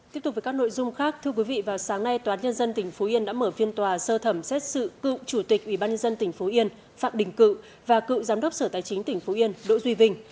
tiếp tục với các nội dung khác thưa quý vị vào sáng nay tòa án nhân dân tỉnh phú yên đã mở phiên tòa sơ thẩm xét xử cựu chủ tịch ủy ban nhân dân tỉnh phú yên phạm đình cự và cựu giám đốc sở tài chính tỉnh phú yên đỗ duy vinh